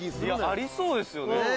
「ありそうですよね」